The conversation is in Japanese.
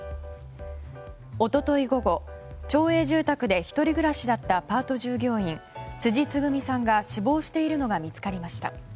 一昨日午後町営住宅で１人暮らしだったパート従業員、辻つぐみさんが死亡しているのが見つかりました。